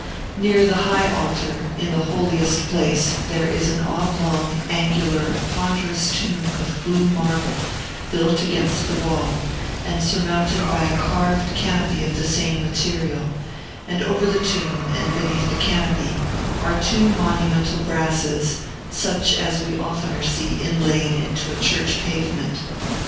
Near the high altar, in the holiest place, there is an oblong, angular, ponderous tomb of blue marble, built against the wall, and surmounted by a carved canopy of the same material; and over the tomb, and beneath the canopy, are two monumental brasses, such as we oftener see inlaid into a church pavement.